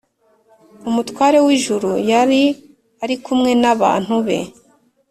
umutware w’ijuru yari ari kumwe n’abantu be